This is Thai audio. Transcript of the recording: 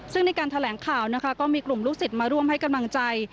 ซึ่งในการแถลงข่าวนะคะก็มีกลุ่มลูกศิษย์มาร่วมให้กำลังใจ